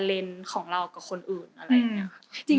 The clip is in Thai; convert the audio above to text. เลนส์ของเรากับคนอื่นอะไรอย่างนี้ค่ะ